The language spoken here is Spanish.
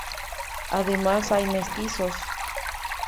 Además hay mestizos.